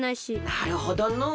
なるほどのう。